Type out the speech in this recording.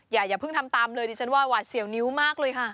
อย่าเพิ่งทำตามเลยดิฉันว่าหวาดเสียวนิ้วมากเลยค่ะ